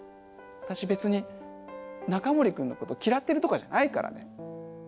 私別にナカモリ君の事嫌ってるとかじゃないからね。